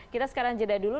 kita sekarang jeda dulu